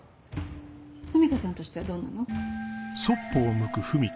文香さんとしてはどうなの？